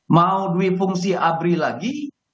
mau dui fungsi abri lagi